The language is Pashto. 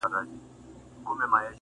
هر رنګه ګزار تا په ټټر خوړلی دی